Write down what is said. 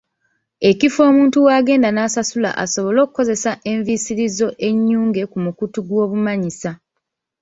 Ekifo omuntu w'agenda n’asasula asobole okukozesa enviisirizo ennyunge ku mukutu gw’obumanyisa.